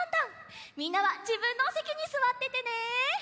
みんなはじぶんのおせきにすわっててね。